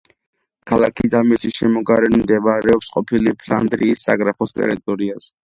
ქალაქი და მისი შემოგარენი მდებარეობს ყოფილი ფლანდრიის საგრაფოს ტერიტორიაზე.